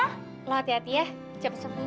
loh hati hati ya cepet cepet